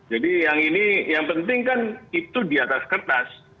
jadi yang ini yang penting kan itu di atas kertas